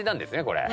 これ。